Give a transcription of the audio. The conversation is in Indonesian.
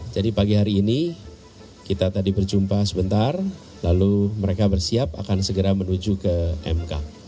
jadi pagi hari ini kita tadi berjumpa sebentar lalu mereka bersiap akan segera menuju ke mk